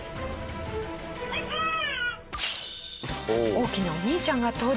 大きなお兄ちゃんが登場。